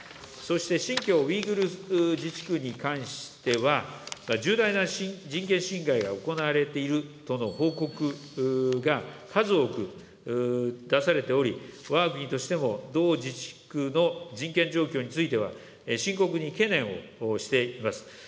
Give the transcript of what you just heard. そして、新疆ウイグル自治区に関しては、重大な人権侵害が行われているとの報告が数多く出されており、わが国としても同自治区の人権状況については、深刻に懸念をしています。